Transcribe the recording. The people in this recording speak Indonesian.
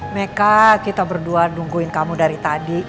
meka kita berdua nungguin kamu dari tadi